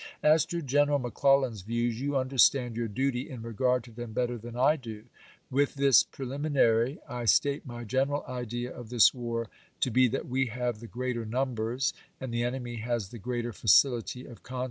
As to General McClellan's views, you understand your duty in regard to them better than I do. With this preliminary I state my general idea of this war to be that we have the greater numbers, and the enemy has the greater facility of con 108 ABKAHAM LINCOLN CHAP. VI.